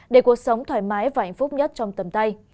để cuộc sống thoải mái và hạnh phúc nhất trong tầm tay